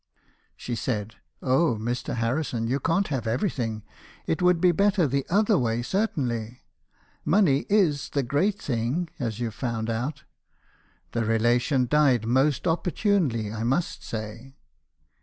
" She said, * Oh, Mr. Harrison, you can't have everything. It would be better the other way, certainly. Money is the great thing, as you've found out. The relation died most opportunely, I must say.'